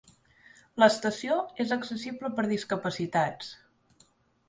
L'estació és accessible per a discapacitats.